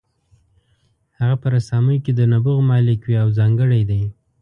هغه په رسامۍ کې د نبوغ مالک وي او ځانګړی دی.